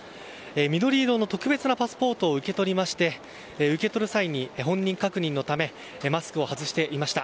緑色の特別なパスポートを受け取りまして受け取る際に本人確認のためマスクを外していました。